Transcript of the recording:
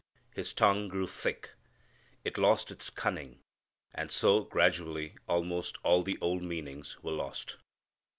His tongue grew thick. It lost its cunning. And so gradually almost all the old meanings were lost.